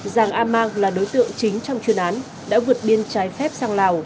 giàng a mang là đối tượng chính trong chuyên án đã vượt biên trái phép sang lào